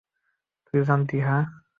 তুই জানতি, হাহ?